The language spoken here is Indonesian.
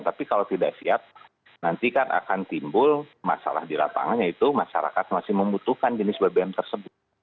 tapi kalau tidak siap nanti kan akan timbul masalah di lapangan yaitu masyarakat masih membutuhkan jenis bbm tersebut